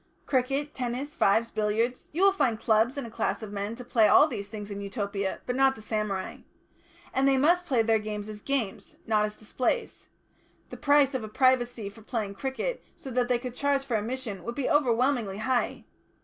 Cricket, tennis, fives, billiards . You will find clubs and a class of men to play all these things in Utopia, but not the samurai. And they must play their games as games, not as displays; the price of a privacy for playing cricket, so that they could charge for admission, would be overwhelmingly high....